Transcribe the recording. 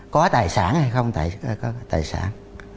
có tài sản hay không tài sản